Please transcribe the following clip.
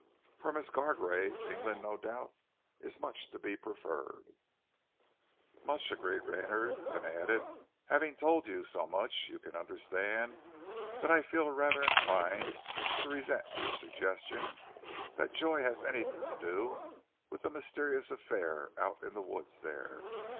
"For Miss Gargrave, England, no doubt, is much to be preferred." "Much!" agreed Rayner, then added, "Having told you so much, you can understand that I feel rather inclined to resent your suggestion that Joy has anything to do with the mysterious affair out in the wood there.